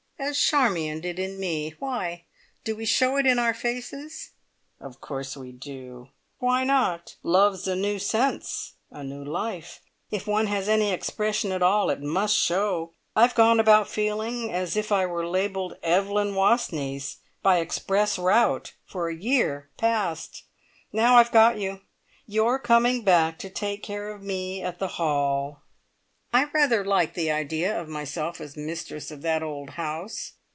"As Charmion did in me. Why? Do we show it in our faces?" "Of course we do. Why not? Love's a new sense, a new life. If one has any expression at all it must show. I've gone about feeling as if I were labelled `Evelyn Wastneys. By express route,' for a year past! Now I've got you! You're coming back to take care of me at the `Hall'!" I rather liked the idea of myself as mistress of that old house!